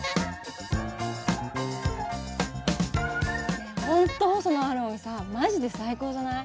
ねえ本当細野晴臣さマジで最高じゃない？